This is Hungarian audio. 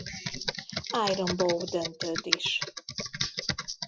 Iron Bowl döntőt is.